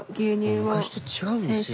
もう昔と違うんですよ。